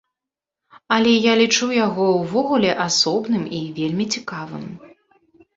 Але я лічу яго ўвогуле асобным і вельмі цікавым.